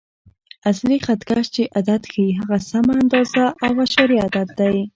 اصلي خط کش چې عدد ښیي، هغه سمه اندازه او اعشاریه عدد دی.